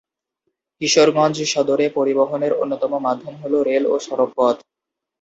কিশোরগঞ্জ সদরে পরিবহনের অন্যতম মাধ্যম হল রেল ও সড়ক পথ।